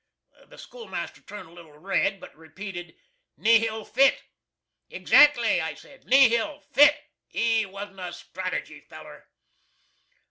The schoolmaster turned a little red, but repeated "Nihil fit." "Exactly," I said. "Nihil FIT. He wasn't a strategy feller."